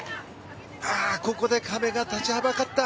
ここで壁が立ちはだかった。